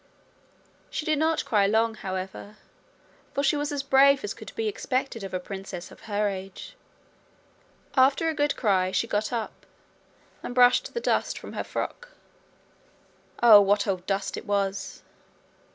She did not cry long, however, for she was as brave as could be expected of a princess of her age. After a good cry, she got up, and brushed the dust from her frock. Oh, what old dust it was!